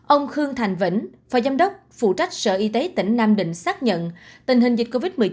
ông khương thành vĩnh phó giám đốc phụ trách sở y tế tỉnh nam định xác nhận tình hình dịch covid một mươi chín